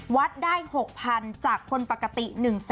วัดได้๖๐๐๐จากคนปกติ๑๐๐๐